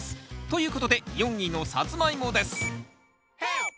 ということで４位のサツマイモです